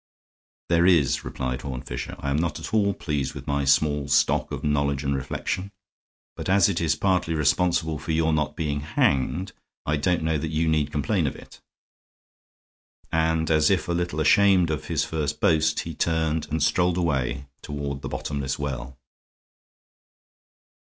"There is," replied Horne Fisher. "I am not at all pleased with my small stock of knowledge and reflection. But as it is partly responsible for your not being hanged, I don't know that you need complain of it." And, as if a little ashamed of his first boast, he turned and strolled away toward the bottomless well.